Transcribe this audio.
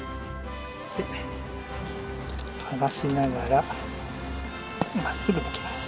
剥がしながらまっすぐ抜きます。